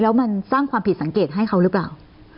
แล้วมันสร้างความผิดสังเกตให้เขาหรือเปล่า